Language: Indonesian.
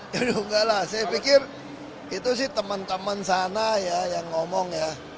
aduh enggak lah saya pikir itu sih teman teman sana ya yang ngomong ya